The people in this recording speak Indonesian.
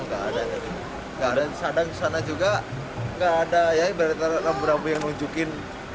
gak ada gak ada sadang sana juga gak ada ya ibaratnya rambu rambu yang nunjukin